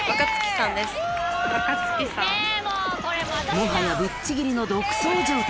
もはやぶっちぎりの独走状態。